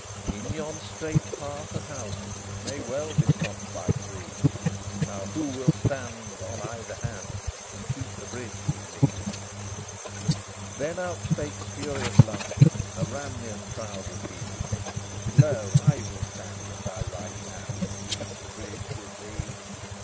In yon strait path a thousand May well be stopped by three. Now who will stand on either hand, And keep the bridge with me?" XXX Then out spake Spurius Lartius; A Ramnian proud was he: "Lo, I will stand at thy right hand, And keep the bridge with thee."